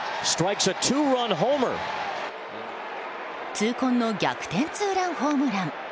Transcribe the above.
痛恨の逆転ツーランホームラン。